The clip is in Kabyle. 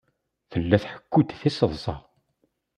Tella tḥekku-d tiseḍsa.